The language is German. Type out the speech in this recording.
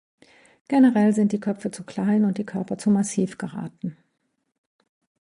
Generell sind die Köpfe zu klein und die Körper zu massiv geraten.